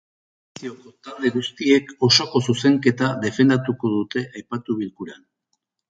Oposizioko talde guztiek osoko zuzenketa defendatuko dute aipatu bilkuran.